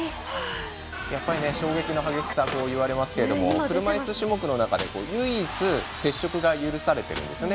衝撃の激しさがいわれますけど車いす種目の中で唯一接触が許されてるんですよね。